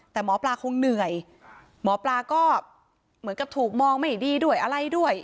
แต่หมอปลาคงเหนื่อยหมอปลาก็เหมือนกับถูกมองไม่ดีด้วยอะไรด้วย